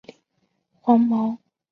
黄毛鼹属等之数种哺乳动物。